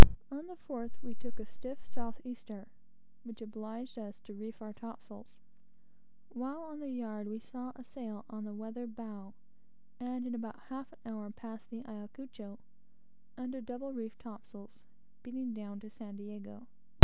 On the fourth, we took a stiff south easter, which obliged us to reef our topsails. While on the yard, we saw a sail on the weather bow, and in about half an hour, passed the Ayacucho, under double reefed topsails, beating down to San Diego.